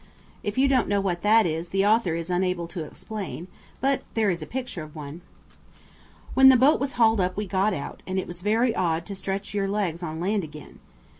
If you don't what that is the author is unable to explain, but there is a picture of one. When the boat was hauled up we got out, and it was very odd to stretch your legs on land again.